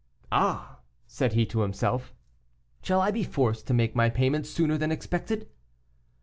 "Ah!" said he to himself, "shall I be forced to make my payment sooner than I expected?"